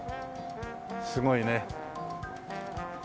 すごいね。